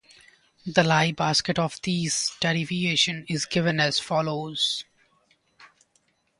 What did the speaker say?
The Lie bracket of these derivations is given as follows.